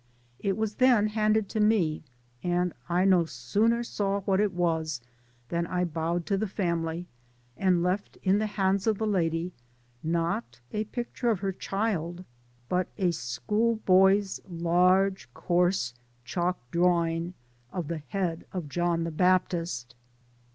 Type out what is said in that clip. It was then handed to me, and I no sooner saw what it was, than I bowed to the family, and left in the hands of the lady, tiot a picture of her child, but a school boy's large, coarse chalk drawing of the head of John the Baptist